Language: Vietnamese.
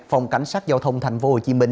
phòng cảnh sát giao thông tp hcm